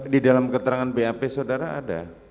di dalam keterangan bap saudara ada